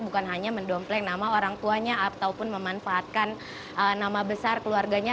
bukan hanya mendompleng nama orang tuanya ataupun memanfaatkan nama besar keluarganya